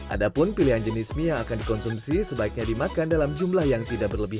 ada pun pilihan jenis mie yang akan dikonsumsi sebaiknya dimakan dalam jumlah yang tidak berlebihan